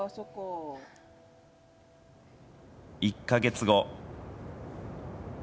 １か月後。